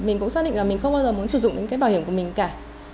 mình cũng xác định là mình không bao giờ muốn sử dụng những cái bảo hiểm của mình cả